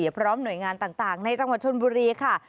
พร้อมหน่วยงานต่างในจังหวัดชนบุรีค่ะ